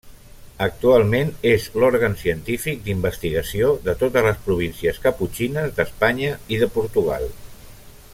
Actualment, és l'òrgan científic d'investigació de totes les províncies caputxines d'Espanya i de Portugal.